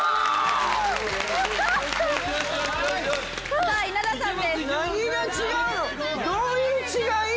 さあ稲田さんです。